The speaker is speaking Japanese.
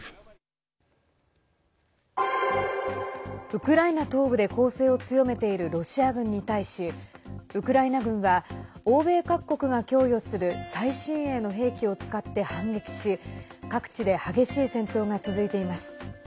ウクライナ東部で攻勢を強めているロシア軍に対しウクライナ軍は欧米各国が供与する最新鋭の兵器を使って反撃し各地で激しい戦闘が続いています。